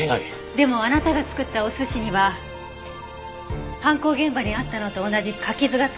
でもあなたが作ったお寿司には犯行現場にあったのと同じ柿酢が使われていました。